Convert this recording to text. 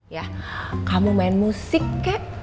ya kamu main musik kek